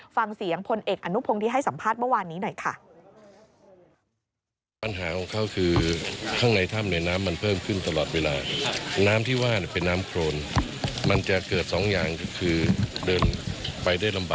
ฟังเสียงพลเอกอนุพงศ์ที่ให้สัมภาษณ์เมื่อวานนี้หน่อยค่ะ